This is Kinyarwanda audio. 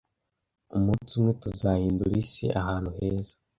Umunsi umwe tuzahindura isi ahantu heza.